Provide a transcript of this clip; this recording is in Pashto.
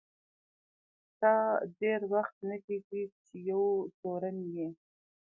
ستا ډېر وخت نه کیږي چي یو تورن یې.